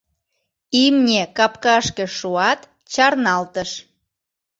Имне капкашке шуат, чарналтыш.